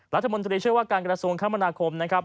รัฐมนตรีช่วยว่าการกระทรวงคมนาคมนะครับ